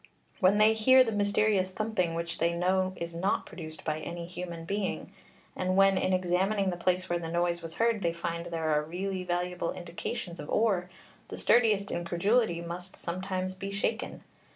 When they hear the mysterious thumping which they know is not produced by any human being, and when in examining the place where the noise was heard they find there are really valuable indications of ore, the sturdiest incredulity must sometimes be shaken.